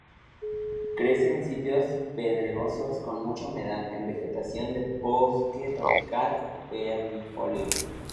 Crece en sitios pedregosos con mucha humedad, en vegetación de bosque tropical perennifolio.